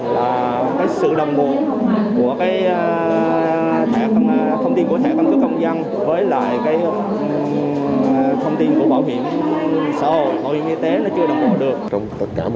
lý do không thành công là sự đồng bộ của thẻ căn cước công dân với thông tin của bảo hiểm y tế chưa đồng bộ được